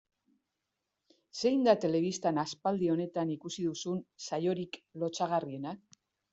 Zein da telebistan aspaldi honetan ikusi duzuen saiorik lotsagarrienak?